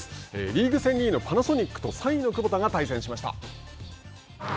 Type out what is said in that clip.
リーグ戦２位のパナソニックと３位のクボタが対戦しました。